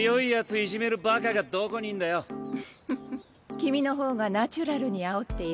君の方がナチュラルにあおっているよ